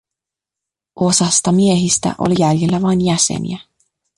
Osasta miehistä oli jäljellä vain jäseniä.